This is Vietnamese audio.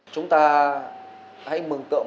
chúng ta hãy mừng tượng